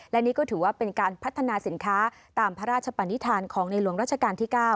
และนี่ก็ถือว่าเป็นการพัฒนาสินค้าตามพระราชปนิษฐานของในหลวงราชการที่๙